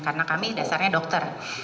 karena kami dasarnya dokter